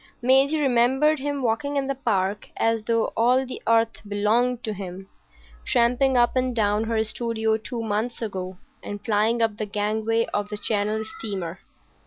Maisie remembered him walking in the Park as though all the earth belonged to him, tramping up and down her studio two months ago, and flying up the gangway of the Channel steamer.